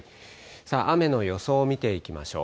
さあ、雨の予想を見ていきましょう。